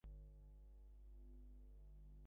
এসব শেষ হতে দিন!